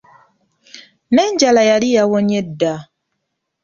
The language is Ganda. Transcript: N'enjala yali yawonye dda.